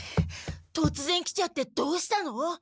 とつぜん来ちゃってどうしたの？